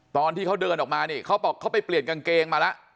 ตอนที่เขาเดินออกมานี่เขาบอกเขาไปเปลี่ยนกางเกงมาแล้ว